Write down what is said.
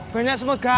banyak semua gara